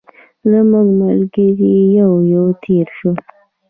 زموږ ملګري یو یو تېر شول.